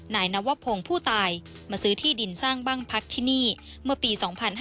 นายนวพงศ์ผู้ตายมาซื้อที่ดินสร้างบ้านพักที่นี่เมื่อปี๒๕๕๙